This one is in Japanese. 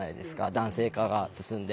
男性化が進んで。